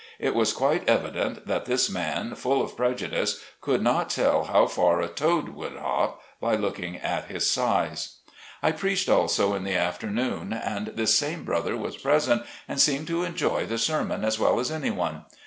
It was quite evi dent that this man, full of prejudice, could not tell how far a toad could hop, by looking at his size. I preached also in the afternoon, and this same brother was present and seemed to enjoy the ser mon as. well as anyone.